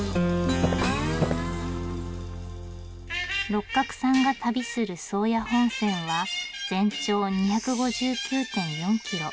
六角さんが旅する宗谷本線は全長２５９．４キロ。